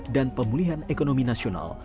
dan pemulihan ekonomi nasional